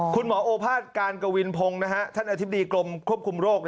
โอภาษการกวินพงศ์ท่านอธิบดีกรมควบคุมโรค